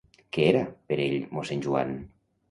Què era, per ell, mossèn Joan?